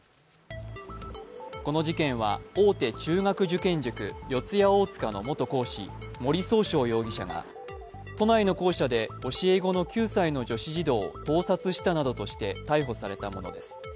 この事件は、大手中学受験塾・四谷大塚の元講師・森崇翔容疑者が都内の後車で教え子の９歳の女子児童を盗撮したなどとして逮捕されたものです。